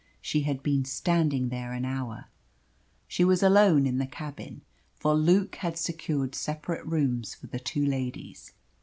She had been standing there an hour. She was alone in the cabin, for Luke had secured separate rooms for the two ladies.